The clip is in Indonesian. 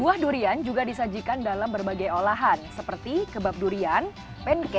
buah durian juga disajikan dalam berbagai olahan seperti kebab durian kue kue dan kue kue